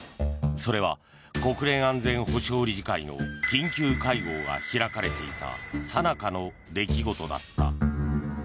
それは、国連安全保障理事会の緊急会合が開かれていたさなかの出来事だった。